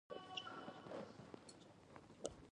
ميرويس نيکه وويل: اوس!